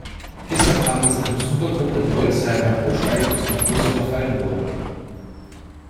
Gestern abend ist eine Besuchergruppe in Molsheim beim Aussteigen aus dem Bus überfallen worden.